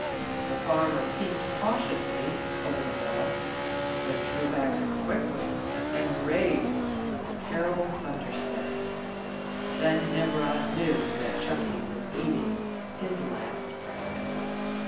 The farmer peeped cautiously over the wall, but drew back quickly and raised the terrible 38 THE LITTLE FORESTERS. thunderstick ; then Nimrod knew that Chucky was eating his last breakfast.